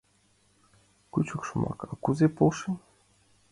Кӱчык шомак, а кузе полшен!